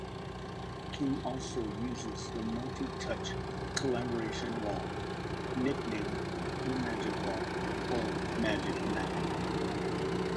King also uses the Multi-Touch Collaboration Wall, nicknamed the "Magic Wall" or "Magic Map.